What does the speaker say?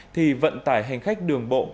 thì vận tải hành khách đường bộ